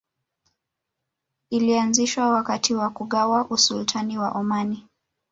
Ilianzishwa wakati wa kugawa Usultani wa Omani